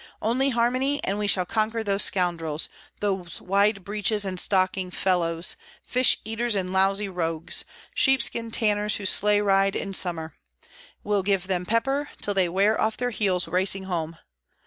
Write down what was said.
Only harmony, and we shall conquer those scoundrels, those wide breeches and stocking fellows, fish eaters and lousy rogues, sheepskin tanners who sleigh ride in summer! We'll give them pepper, till they wear off their heels racing home.